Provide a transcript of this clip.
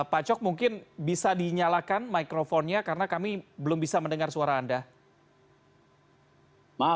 pak cok mungkin bisa dinyalakan mikrofonnya karena kami belum bisa mendengar suara anda